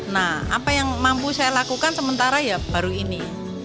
nah apa yang mampu saya lakukan sementara ya baru ini